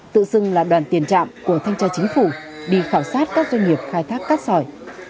tự xưng là đoàn tiền trạm của thanh tra chính phủ đi khảo sát các doanh nghiệp khai thác cát sỏi